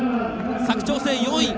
佐久長聖、４位。